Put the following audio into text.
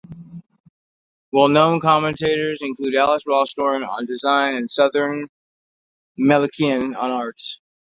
Well-known commentators include Alice Rawsthorn on design and Souren Melikian on art.